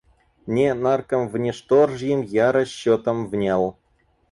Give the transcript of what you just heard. Не наркомвнешторжьим я расчетам внял.